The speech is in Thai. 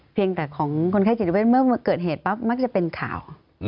เพียงแต่ของคนไข้จิตเวทเมื่อเกิดเหตุปั๊บมักจะเป็นข่าว